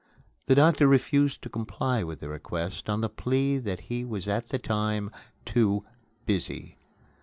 The doctor refused to comply with the request on the plea that he was at the time "too busy."